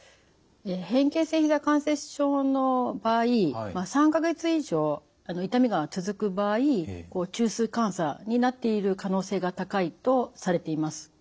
変形性ひざ関節症の場合３か月以上痛みが続く場合中枢感作になっている可能性が高いとされています。